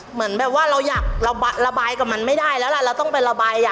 เหมือนแบบว่าเราอยากระบายกับมันไม่ได้แล้วล่ะเราต้องไประบาย